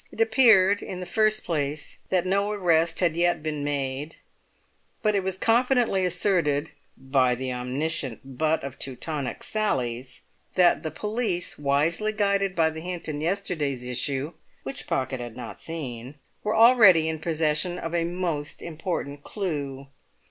It appeared, in the first place, that no arrest had yet been made; but it was confidently asserted (by the omniscient butt of Teutonic sallies) that the police, wisely guided by the hint in yesterday's issue (which Pocket had not seen), were already in possession of a most important clue.